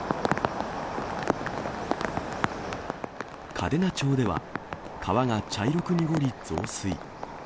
嘉手納町では、川が茶色く濁り増水。